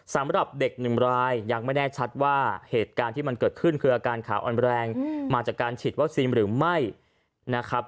สำหรับเด็กหนึ่งรายยังไม่แน่ชัดว่าเหตุการณ์ที่มันเกิดขึ้นคืออาการขาวอ่อนแรงมาจากการฉีดวัคซีนหรือไม่นะครับ